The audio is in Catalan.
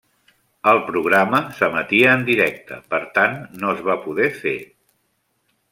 El programa s'emetia en directe, per tant, no es va poder fer.